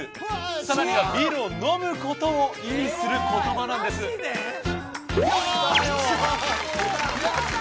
さらには「ビールを飲むこと」を意味する言葉なんですマジで！？よっしゃ！